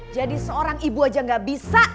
jadi seorang ibu aja gak bisa